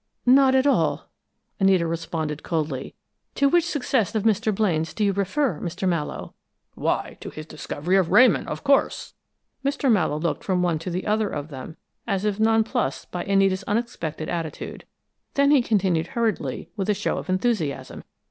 "Not at all," Anita responded, coldly. "To which success of Mr. Blaine's do you refer, Mr. Mallowe?" "Why, to his discovery of Ramon, of course." Mr. Mallowe looked from one to the other of them as if nonplused by Anita's unexpected attitude. Then he continued hurriedly, with a show of enthusiasm.